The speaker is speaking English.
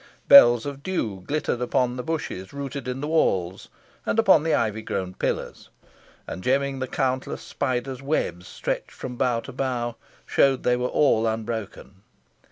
Bells of dew glittered upon the bushes rooted in the walls, and upon the ivy grown pillars; and gemming the countless spiders' webs stretched from bough to bough, showed they were all unbroken.